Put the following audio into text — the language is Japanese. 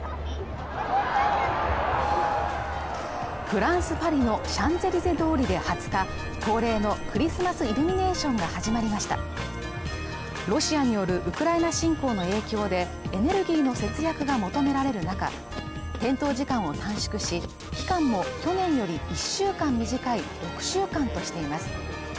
フランスパリのシャンゼリゼ通りで２０日恒例のクリスマスイルミネーションが始まりましたロシアによるウクライナ侵攻の影響でエネルギーの節約が求められる中点灯時間を短縮し期間も去年より１週間短い６週間としています